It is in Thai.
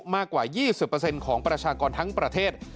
มากกว่า๒๐ของประชากรทั้งประเทศ